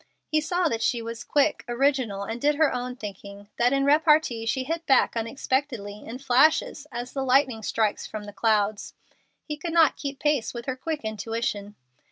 He saw that she was quick, original, and did her own thinking, that in repartee she hit back unexpectedly, in flashes, as the lightning strikes from the clouds. He could not keep pace with her quick intuition.